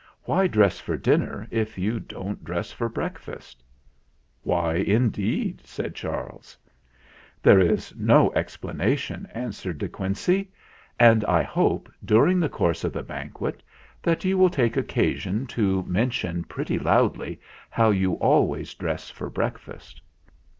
Why dress for dinner if you don't dress for breakfast?" "Why, indeed ?" said Charles. "There is no explanation," answered De Quincey. "And I hope, during the course of the banquet, that you will take occasion to men tion pretty loudly how you always dress for breakfast."